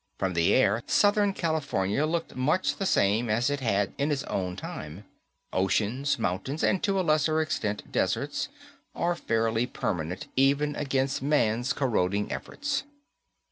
From the air, Southern California looked much the same as it had in his own time. Oceans, mountains, and to a lesser extent, deserts, are fairly permanent even against man's corroding efforts.